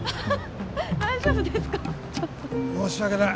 申し訳ない